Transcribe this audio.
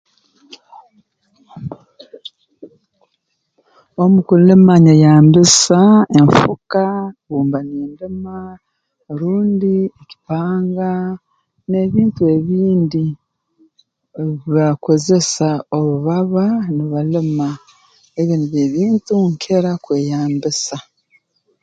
Omu kulima nyeyambisa enfuka obu mba nindima rundi ekipanga n'ebintu ebindi ebi bakozesa obu baba nibalima ebyo nibyo ebintu nkira kweyambisa